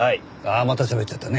あっまたしゃべっちゃったね。